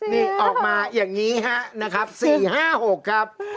นี่ออกมาอย่างนี้ฮะนะครับ๔๕๖ครับ